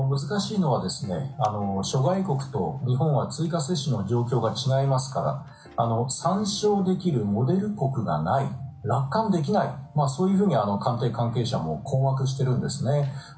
難しいのは諸外国と日本は追加接種の状況が違いますから参照できるモデル国がない楽観できないそういうふうに官邸関係者も困惑しているんですね。